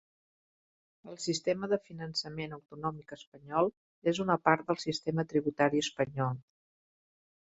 El sistema de finançament autonòmic espanyol és una part del sistema tributari espanyol.